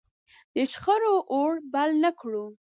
د شخړو اور بل نه کړو.